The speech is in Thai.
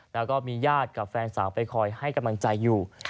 แล้วก็มีญาติกับแฟนสาวไปคอยให้กำลังใจอยู่